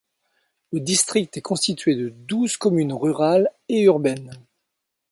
Le district est constituée de douze communes rurales et urbaines.